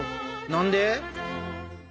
何で？